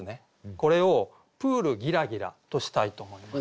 これを「プールぎらぎら」としたいと思います。